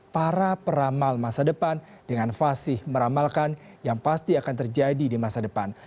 para peramal masa depan dengan fasih meramalkan yang pasti akan terjadi di masa depan